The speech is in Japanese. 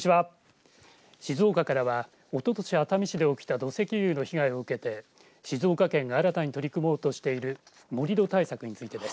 静岡からは、おととし熱海市で起きた土石流の被害を受けて静岡県が新たに取り組もうとしている盛り土対策についてです。